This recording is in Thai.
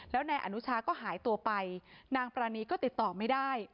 แล้วนายอนุชาก็หายตัวไปนางปรานีก็ติดต่อไม่ได้